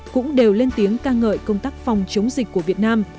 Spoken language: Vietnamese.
cũng đều lên tiếng ca ngợi công tác phòng chống dịch của việt nam